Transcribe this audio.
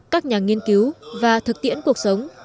các nhà nghiên cứu và thực tiễn cuộc sống